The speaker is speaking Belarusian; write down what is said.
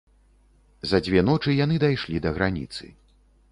За дзве ночы яны дайшлі да граніцы.